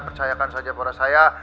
percayakan saja pada saya